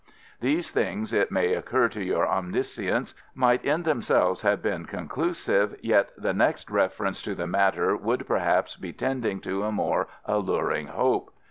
These things, it may occur to your omniscience, might in themselves have been conclusive, yet the next reference to the matter would perhaps be tending to a more alluring hope.